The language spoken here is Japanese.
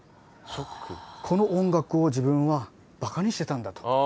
この音楽を自分はバカにしてたんだと。